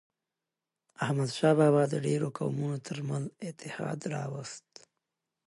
احمدشاه بابا د ډیرو قومونو ترمنځ اتحاد راووست.